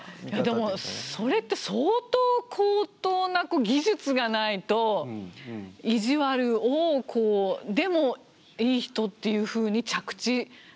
でもそれって相当高等な技術がないと意地悪をでもいい人っていうふうに着地させられない。